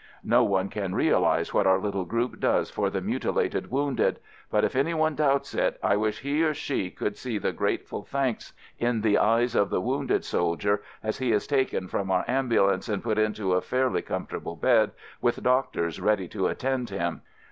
No one can realize what our little group does for the mutilated wounded — but if any one doubts it, I wish he or she could see the 94 AMERICAN AMBULANCE grateful thanks in the eyes of the wounded soldier as he is taken from our ambulance and put into a fairly comfortable bed, with doctors ready to attend him.